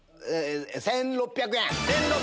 １６００円。